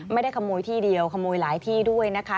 ไม่ได้ขโมยที่เดียวขโมยหลายที่ด้วยนะคะ